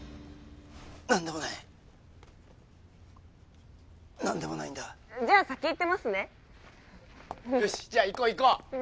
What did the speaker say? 何でもない何でもないんだじゃあ先行ってますねよしじゃあ行こう行こう